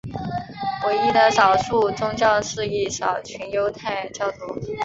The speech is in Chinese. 唯一的少数宗教是一小群犹太教徒。